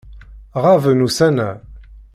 Ɣaben ussan-a.